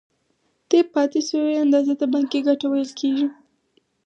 دې پاتې شوې اندازې ته بانکي ګټه ویل کېږي